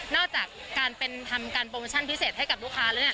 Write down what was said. นอกจากการทำการโปรโมชั่นพิเศษให้กับลูกค้าแล้ว